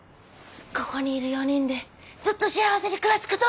ここにいる４人でずっと幸せに暮らすこと。